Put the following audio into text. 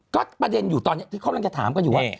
ก็ประเด็นอยู่ตอนนี้ที่กำลังจะถามกันอยู่ว่า